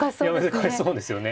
難しそうですよね。